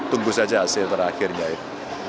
tunggu saja hasil terakhirnya itu